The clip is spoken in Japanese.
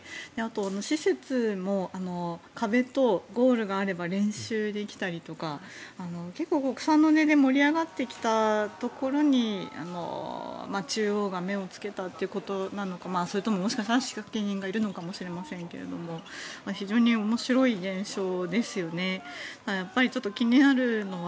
施設も壁とゴールがあれば練習できたりとか結構、草の根で盛り上がってきたところに中央が目をつけたということなのかそれとももしかしたら仕掛け人がいるのかもしれないけど非常に面白い現象ですよね。